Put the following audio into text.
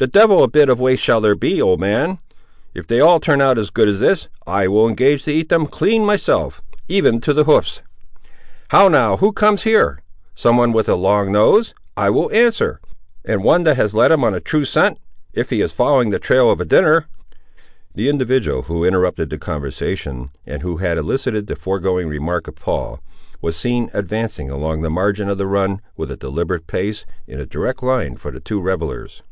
"The devil a bit of waste shall there be, old man. If they all turn out as good as this, I will engage to eat them clean myself, even to the hoofs;—how now, who comes here! some one with a long nose, I will answer; and one that has led him on a true scent, if he is following the trail of a dinner." The individual who interrupted the conversation, and who had elicited the foregoing remark of Paul, was seen advancing along the margin of the run with a deliberate pace, in a direct line for the two revellers.